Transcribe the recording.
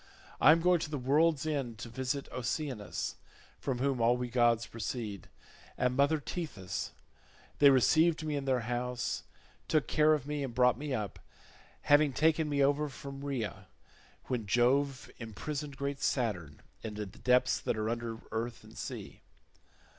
I am going to the world's end to visit Oceanus (from whom all we gods proceed) and mother Tethys: they received me in their house, took care of me, and brought me up, having taken me over from Rhaea when Jove imprisoned great Saturn in the depths that are under earth and sea.